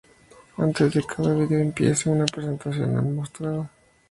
Antes de que cada video empiece, una presentación es mostrada.